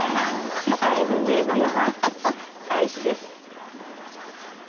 子細不明なまま開始です。